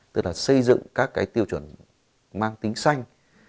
tức là xây dựng các cái tiêu chuẩn mang tính xanh